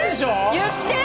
言ってよ！